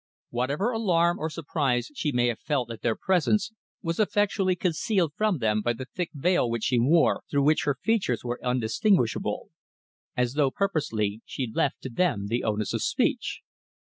Whatever alarm or surprise she may have felt at their presence was effectually concealed from them by the thick veil which she wore, through which her features were undistinguishable. As though purposely, she left to them the onus of speech.